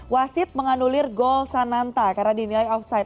wasit menganulir gol sananta karena dinilai offside